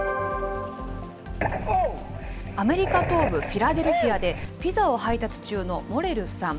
アメリカ東部フィラデルフィアで、ピザを配達中のモレルさん。